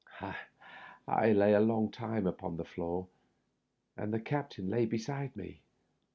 I lay a long time upon the floor, and the captain lay beside me.